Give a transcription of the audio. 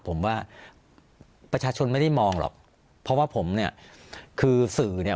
ผมว่าประชาชนไม่ได้มองหรอกเพราะว่าผมเนี่ยคือสื่อเนี่ย